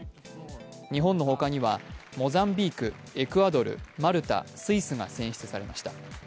日本のほかにはモザンビークエクアドル、マルタスイスが選出されました。